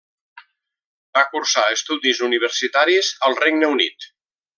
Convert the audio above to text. Va cursar estudis universitaris al Regne Unit.